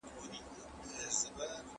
آخر مي په طلاقه کړه.